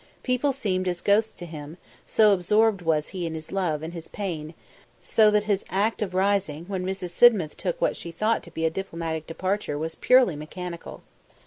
People seemed as ghosts to him, so absorbed was he in his love and his pain; so that his act of rising when Mrs. Sidmouth took what she thought to be a diplomatic departure was purely mechanical.